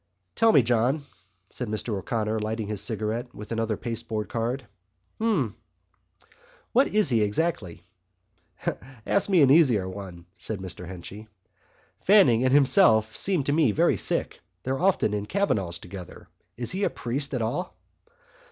"Tell me, John," said Mr O'Connor, lighting his cigarette with another pasteboard card. "Hm?" "What he is exactly?" "Ask me an easier one," said Mr Henchy. "Fanning and himself seem to me very thick. They're often in Kavanagh's together. Is he a priest at all?"